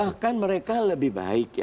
bahkan mereka lebih baik